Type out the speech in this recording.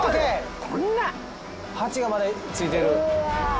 ハチがまだついてる。